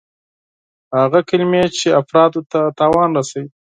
هغه کلمې چې افرادو ته زیان رسوي.